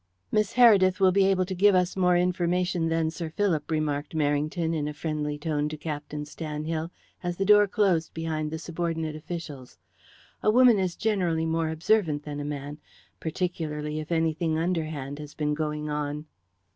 "Miss Heredith will be able to give us more information than Sir Philip," remarked Merrington in a friendly tone to Captain Stanhill, as the door closed behind the subordinate officials. "A woman is generally more observant than a man particularly if anything underhand has been going on."